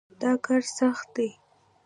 دا کار سخت دی.